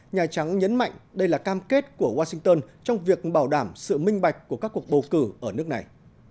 nhà trắng nhấn mạnh đây là cam kết của washington trong việc bảo đảm sự minh bạch của các cuộc bầu cử ở nước này